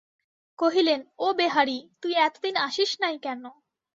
কহিলেন, ও বেহারি, তুই এতদিন আসিস নাই কেন।